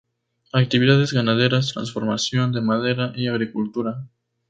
Actividades ganaderas, transformación de madera y agricultura.